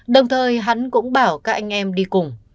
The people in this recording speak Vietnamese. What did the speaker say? đồng thời hắn cũng bảo các anh em đi cùng